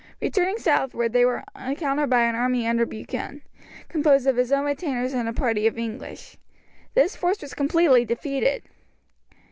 Returning southward they were encountered by an army under Buchan, composed of his own retainers and a party of English. This force was completely defeated.